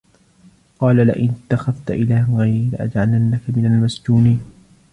قَالَ لَئِنِ اتَّخَذْتَ إِلَهًا غَيْرِي لَأَجْعَلَنَّكَ مِنَ الْمَسْجُونِينَ